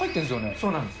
そうなんです。